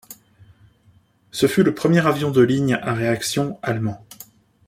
Ce fut le premier avion de ligne à réaction allemand.